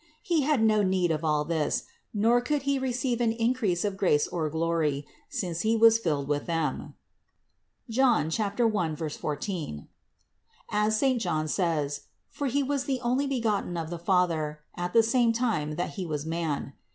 He had no need of all this, nor could He receive an increase of grace or glory, since He was filled with them (John 1, 14), as saint John says; for He was the Onlybegotten of the Father at the same time that He was man.